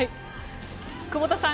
久保田さん